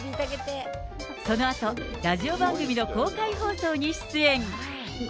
そのあとラジオ番組の公開放送に出演。